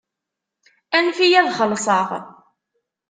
Anef-iyi ad xelṣeɣ.